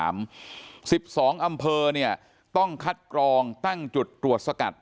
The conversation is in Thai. ๑๒อำเภอเนี่ยต้องคัดกรองตั้งจุดตรวจสกัด